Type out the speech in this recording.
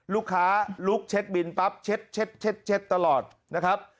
ลูกค้าลุกเช็คบินปั๊บเช็ดตลอดนะครับ